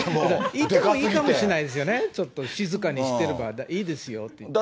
いてもいいかもしれないですよね、ちょっと静かにしてればいいですよってね。